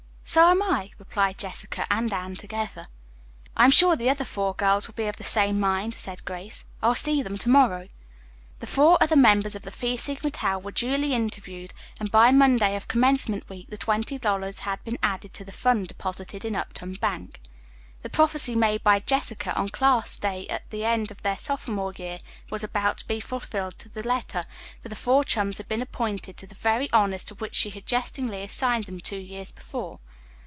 "So am I," replied Jessica and Anne together. "I am sure the other four girls will be of the same mind," said Grace. "I'll see them to morrow." The four other members of the Phi Sigma Tau were duly interviewed and by Monday of commencement week the twenty dollars had been added to the fund deposited in Upton Bank. The prophecy made by Jessica on class day at the end of their sophomore year was about to be fulfilled to the letter, for the four chums had been appointed to the very honors to which she had jestingly assigned them two years before.